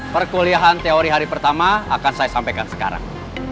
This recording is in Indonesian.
perkuliahan teori hari pertama akan saya sampaikan sekarang